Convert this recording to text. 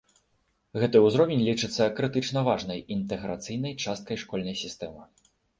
Гэты ўзровень лічыцца крытычна важнай інтэграцыйнай часткай школьнай сістэмы.